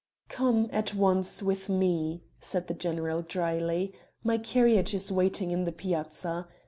"Come, at once, with me," said the general drily, "my carriage is waiting in the Piazza.